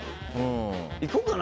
行こうかな。